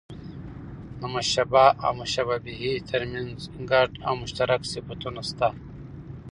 د مشبه او مشبه به؛ تر منځ ګډ او مشترک صفتونه سته.